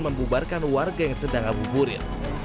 membubarkan warga yang sedang abu burir